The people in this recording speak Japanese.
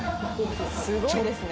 すごいですね。